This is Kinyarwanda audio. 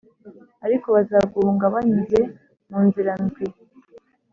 ariko bazaguhunga banyuze mu nzira ndwi+